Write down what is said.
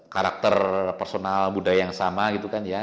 karakter personal budaya yang sama gitu kan ya